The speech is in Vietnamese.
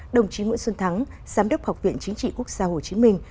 đồng chí nguyễn xuân thắng giám đốc học viện chính trị quốc gia hồ chí minh